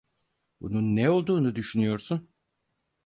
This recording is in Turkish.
Bunun ne olduğunu düşünüyorsun?